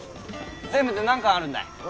全部で何貫あるんだい？